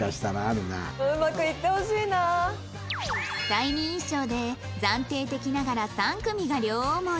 第二印象で暫定的ながら３組が両思い